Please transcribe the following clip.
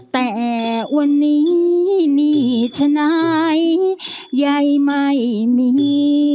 แต่วันนี้มีชนายยัยไม่มี